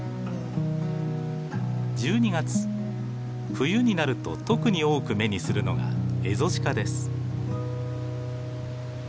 冬になると特に多く目にするのがエゾシカです。